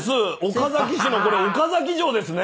岡崎市のこれ岡崎城ですね。